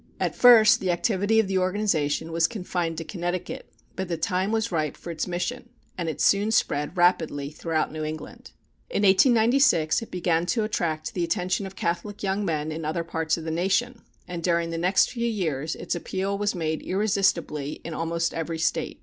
At first the activity of the organization was confined to Connecticut, but the time was ripe for its mission, and it soon spread rapidly throughout New England. In 1896 it began to attract the attention of Catholic young men in other parts of the nation, and during the next few years its appeal was made irresistibly in almost every State.